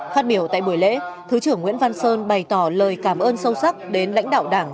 phát biểu tại buổi lễ thứ trưởng nguyễn văn sơn bày tỏ lời cảm ơn sâu sắc đến lãnh đạo đảng